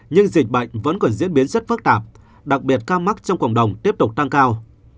nhưng dịch bệnh vẫn còn diễn biến rất phức tạp đặc biệt ca mắc trong cộng đồng tiếp tục tăng cao